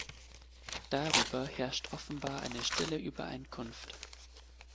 Darüber herrscht offenbar eine stille Übereinkunft.